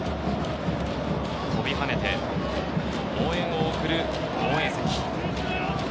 飛び跳ねて、応援を送る応援席。